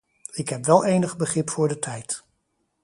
Ik heb wel enig begrip voor de tijd.